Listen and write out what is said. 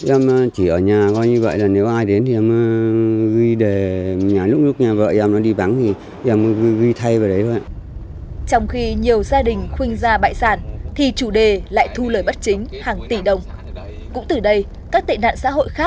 em chỉ ở nhà coi như vậy là nếu ai đến thì em ghi đề lúc lúc nhà vợ em nó đi bắn thì em ghi thay vào đấy thôi ạ